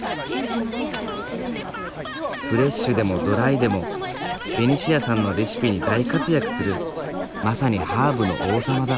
フレッシュでもドライでもベニシアさんのレシピに大活躍するまさにハーブの王様だ。